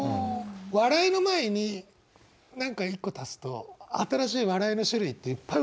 「笑い」の前に何か一個足すと新しい笑いの種類っていっぱい生まれそうな気も。